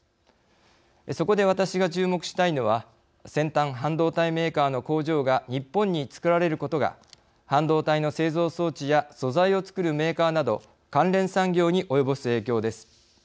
そこで私が注目したいのは先端半導体メーカーの工場が日本に作られることが半導体の製造装置や素材をつくるメーカーなど関連産業に及ぼす影響です。